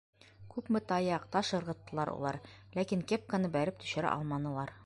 Күпме таяҡ, таш ырғыттылар улар, ләкин кепканы бәреп төшөрә алманылар.